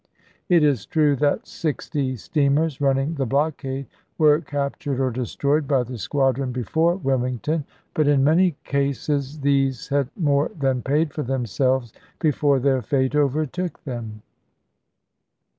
It is true that sixty steamers running the blockade were cap soiey,"The tured or destroyed by the squadron before Wil and the mington ; but in many cases these had more than Cruisers," &> J p 9i paid for themselves before their fate overtook them.